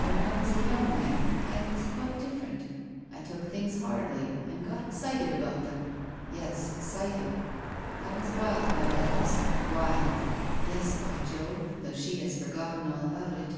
When I was a young man, I was quite different. I took things hardly and got excited about them. Yes, excited. I was wild about Alice, wild ! Yes, by Jove ! though she has for gotten all about it."